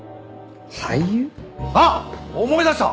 あっ思い出した！